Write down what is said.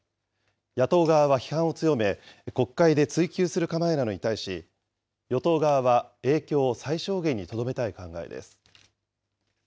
野党側は批判を強め、国会で追及する構えなのに対し、与党側は、影響を最小限にとどめたい考えです。